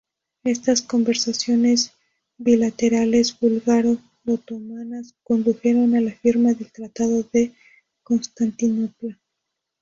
Estas conversaciones bilaterales búlgaro-otomanas condujeron a la firma del Tratado de Constantinopla.